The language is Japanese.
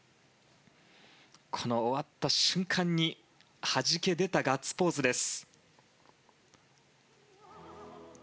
終わった瞬間にはじけ出たガッツポーズです。